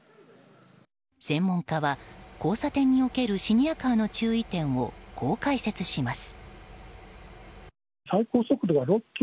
専門家は交差点におけるシニアカーの注意点をこう解説します。